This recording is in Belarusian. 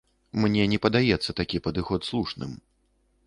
Мне не падаецца такі падыход слушным.